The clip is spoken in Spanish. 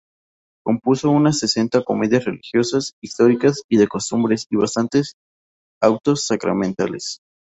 Compuso unas sesenta comedias religiosas, históricas y de costumbres y bastantes autos sacramentales.